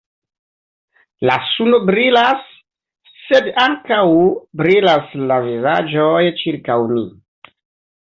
La suno brilas, sed ankaŭ brilas la vizaĝoj ĉirkaŭ ni.